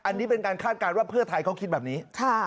อันนี้เป็นการคาดการณ์ว่าเพื่อไทยเขาคิดแบบนี้